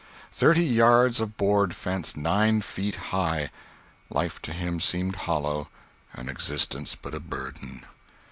Thirty yards of board fence nine feet high. Life to him seemed hollow, and existence but a burden.